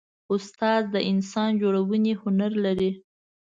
استاد د انسان جوړونې هنر لري.